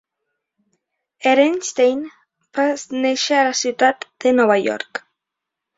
Ehrenstein va néixer a la ciutat de Nova York.